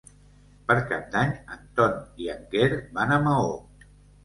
Per Cap d'Any en Ton i en Quer van a Maó.